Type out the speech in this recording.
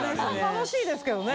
楽しいですけどね。